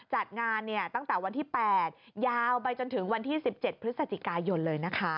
จัดงานตั้งแต่วันที่๘ยาวไปจนถึงวันที่๑๗พฤศจิกายนเลยนะคะ